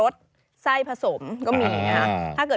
ไซส์ลำไย